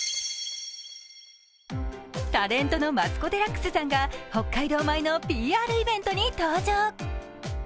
タレントのマツコ・デラックスさんが北海道米のＰＲイベントに登場。